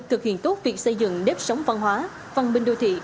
thực hiện tốt việc xây dựng nếp sống văn hóa văn minh đô thị